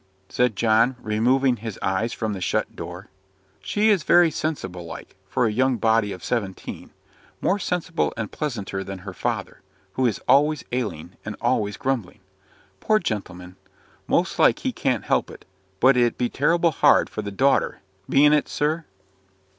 said John, removing his eyes from the shut door. "She be very sensible like, for a young body of seventeen; more sensible and pleasanter than her father, who is always ailing, and always grumbling. Poor gentleman! most like he can't help it. But it be terrible hard for the daughter bean't it, sir?"